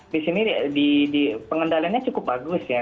di sini pengendaliannya cukup bagus ya